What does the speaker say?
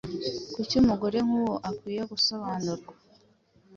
Kuki umugore nkuwo akwiye gusobanurwa